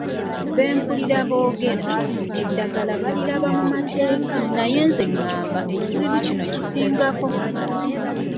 Be mpulira boogera, eddagala baliraba mu mateeka naye nze ndowooza nti ekizibu kino kisingako